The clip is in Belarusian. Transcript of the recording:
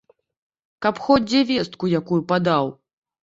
Каб хоць дзе вестку якую падаў!